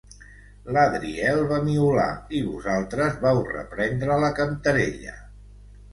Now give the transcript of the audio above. L'Adriel va miolar i vosaltres vau reprendre la cantarella.